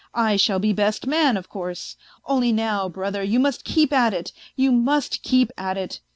I shall be best man, of course, Only now, brother, you must keep at it, you must keep at it.